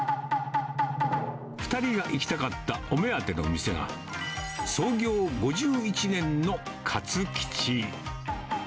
２人が行きたかったお目当ての店が、創業５１年のカツ吉。